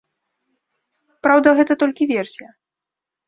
Праўда, гэта толькі версія.